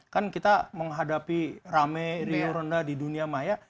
kan kita menghadapi rame riuh rendah di dunia maya